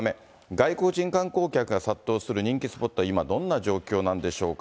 外国人観光客が殺到する人気スポットは今、どんな状況なんでしょうか。